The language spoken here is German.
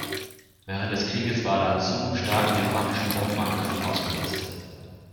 Während des Kriegs war Lanzhou starken japanischen Bombenangriffen ausgesetzt.